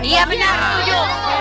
iya bener setuju